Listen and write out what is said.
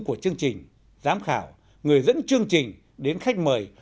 của chương trình giám khảo người dẫn chương trình đến khách mời